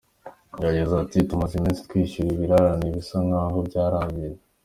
Yagize ati “Tumaze iminsi twishyura ibirarane, bisa nk’aho byarangiye.